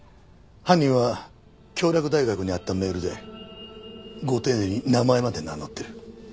犯人は京洛大学に宛てたメールでご丁寧に名前まで名乗ってる。